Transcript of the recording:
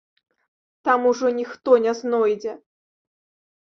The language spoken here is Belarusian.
Там ужо ніхто не знойдзе.